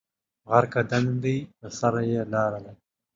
غر که دنګ دی په سر یې لار ده